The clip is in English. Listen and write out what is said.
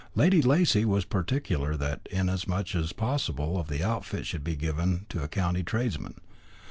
Lady Lacy was particular that as much as possible of the outfit should be given to county tradesmen.